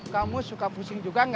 kamu suka pusing juga